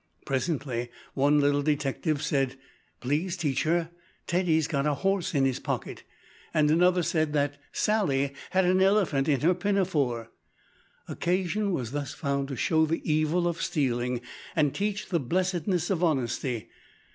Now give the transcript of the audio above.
Presently one little detective said: `Please, teacher, Teddy's got a horse in his pocket,' and another said that Sally had an elephant in her pinafore! Occasion was thus found to show the evil of stealing, and teach the blessedness of honesty.